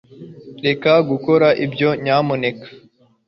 reka gukora ibyo, nyamuneka